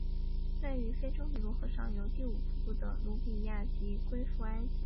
位于非洲尼罗河上游第五瀑布的努比亚也归附埃及。